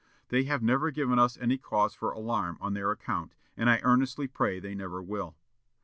They have never given us any cause for alarm on their account, and I earnestly pray they never will.